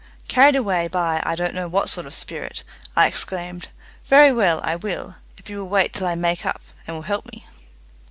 Carried away by I don't know what sort of a spirit, I exclaimed, "Very well, I will, if you will wait till I make up, and will help me."